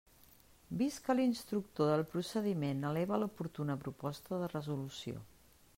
Vist que l'instructor del procediment eleva l'oportuna proposta de resolució.